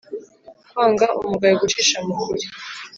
Kwanga umugayo gucisha mu kuri